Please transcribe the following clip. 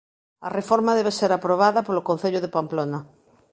A reforma debe ser aprobada polo concello de Pamplona.